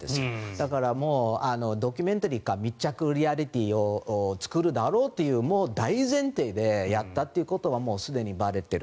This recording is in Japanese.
だからドキュメンタリーか密着リアリティーを作るだろうという大前提でやったということはもうすでにばれている。